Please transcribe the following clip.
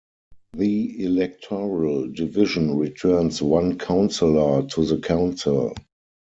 The electoral division returns one councillor to the council.